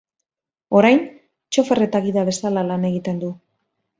Orain, txofer eta gida bezala lan egiten du.